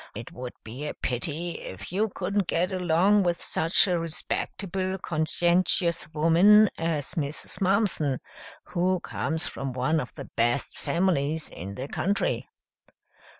"It would be a pity if you couldn't get along with such a respectable, conscientious woman as Mrs. Mumpson, who comes from one of the best families in the country."